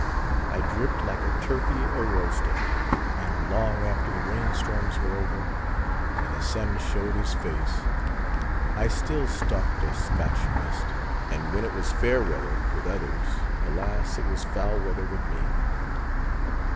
I dripped like a turkey a roasting; and long after the rain storms were over, and the sun showed his face, I still stalked a Scotch mist; and when it was fair weather with others, alas! it was foul weather with me.